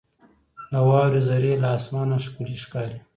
• د واورې ذرې له اسمانه ښکلي ښکاري.